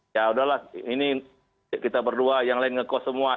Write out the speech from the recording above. ya udahlah ini kita berdua yang lain ngekos semua